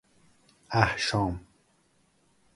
احشام